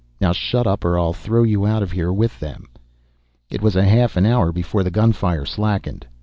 Now shut up, or I'll throw you out there with them." It was a half an hour before the gunfire slackened.